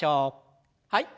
はい。